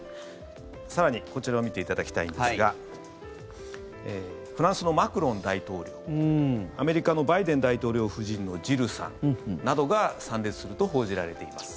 更に、こちらを見ていただきたいんですがフランスのマクロン大統領アメリカのバイデン大統領夫人のジルさんなどが参列すると報じられています。